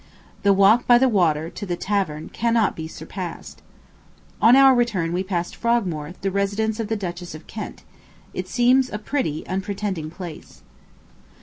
The walk by the water, to the tavern, cannot be surpassed. On our return we passed Frogmore, the residence of the Duchess of Kent; it seems a pretty, unpretending place.